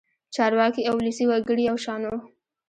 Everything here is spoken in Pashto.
چارواکي او ولسي وګړي یو شان وو.